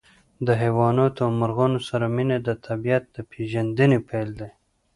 د حیواناتو او مرغانو سره مینه د طبیعت د پېژندنې پیل دی.